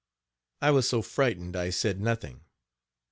" I was so frightened I said nothing.